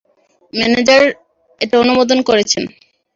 Manager এটা অনুমোদন করেছেন।